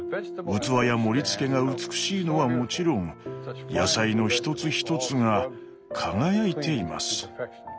器や盛りつけが美しいのはもちろん野菜の一つ一つが輝いています。